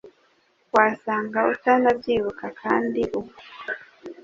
Wasanga utanabyibuka kandi ubwo